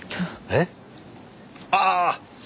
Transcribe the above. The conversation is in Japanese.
えっ？ああ！